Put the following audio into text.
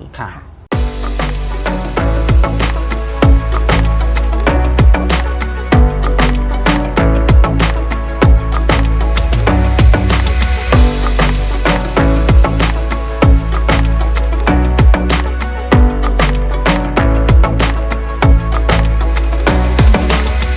โปรดติดตามตอนต่อไป